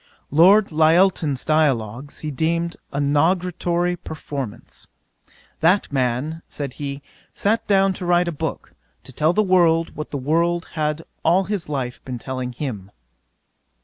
'Lord Lyttelton's Dialogues, he deemed a nugatory performance. "That man, (said he,) sat down to write a book, to tell the world what the world had all his life been telling him."